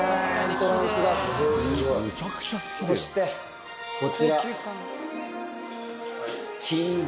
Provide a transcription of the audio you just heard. そしてこちら。